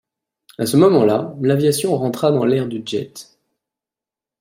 À ce moment-là, l'aviation rentra dans l'ère du jet.